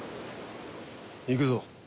行くぞ。